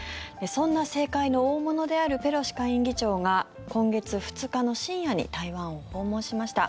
そんな政界の大物であるペロシ下院議長が今月２日の深夜に台湾を訪問しました。